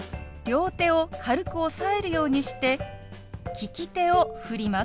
両手を軽く押さえるようにして利き手を振ります。